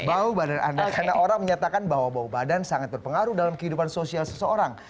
bau badan anda karena orang menyatakan bahwa bau badan sangat berpengaruh dalam kehidupan sosial seseorang